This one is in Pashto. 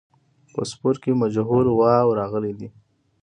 په سپور کې مجهول واو راغلی دی.